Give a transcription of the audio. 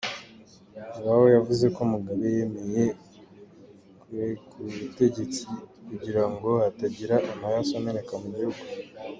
Zhuwao yavuze ko Mugabe yemeye kurekure ubutegetsi kugirango hatagira amaraso ameneka mu gihugu.